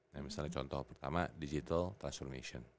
nah misalnya contoh pertama digital transformation